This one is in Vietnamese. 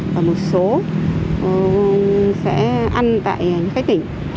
và một số sẽ ăn tại những khách tỉnh